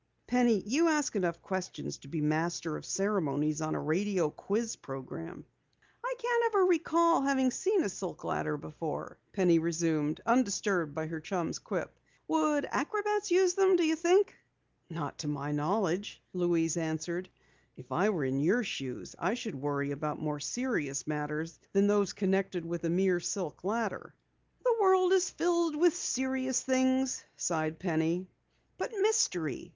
Penny, you ask enough questions to be master of ceremonies on a radio quiz program." "I can't recall ever having seen a silk ladder before," Penny resumed, undisturbed by her chum's quip. "Would acrobats use them, do you think?" "Not to my knowledge," Louise answered. "If I were in your shoes I should worry about more serious matters than those connected with a mere silk ladder." "The world is filled with serious things," sighed Penny. "But mystery!